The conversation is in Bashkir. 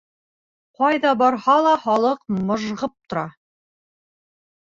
Ҡайҙа барһа ла, халыҡ мыжғып тора.